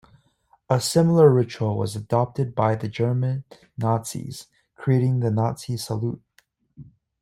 A similar ritual was adopted by the German Nazis, creating the Nazi salute.